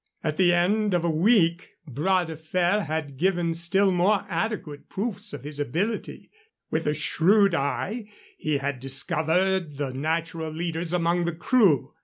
At the end of a week Bras de Fer had given still more adequate proofs of his ability. With a shrewd eye he had discovered the natural leaders among the crew.